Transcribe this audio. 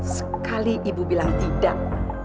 sekali ibu bilang tidak